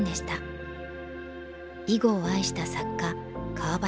囲碁を愛した作家川端